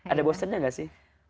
ada bosennya gak sih